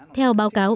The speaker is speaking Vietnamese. theo báo cáo